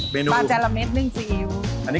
ปลาจาระเม็ดนึ่งซีอิ๊ว